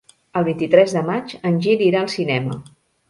El vint-i-tres de maig en Gil irà al cinema.